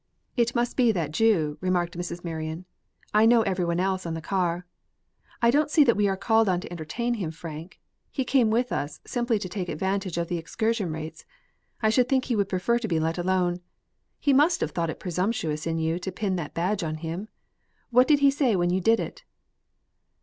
"It must be that Jew," remarked Mrs. Marion. "I know every one else on the car. I don't see that we are called on to entertain him, Frank. He came with us, simply to take advantage of the excursion rates. I should think he would prefer to be let alone. He must have thought it presumptuous in you to pin that badge on him. What did he say when you did it?"